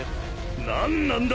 何なんだ！？